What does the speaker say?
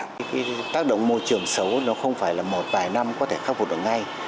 cái tác động môi trường xấu nó không phải là một vài năm có thể khắc phục được ngay